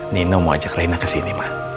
nino mau ajak rena kesini ma